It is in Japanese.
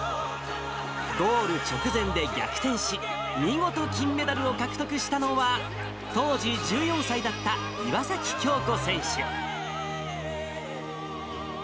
ゴール直前で逆転し、見事金メダルを獲得したのは、当時１４歳だった岩崎恭子選手。